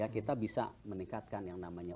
kita bisa meningkatkan yang namanya